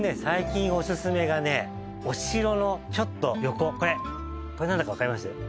最近オススメがねお城のちょっと横これこれ何だか分かります？